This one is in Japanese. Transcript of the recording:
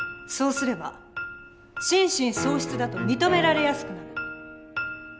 そうすれば心神喪失だと認められやすくなる。